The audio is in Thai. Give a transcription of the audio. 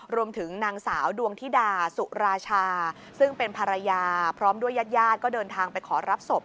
รวมถึงนางสาวดวงธิดาสุราชาซึ่งเป็นภรรยาพร้อมด้วยญาติญาติก็เดินทางไปขอรับศพ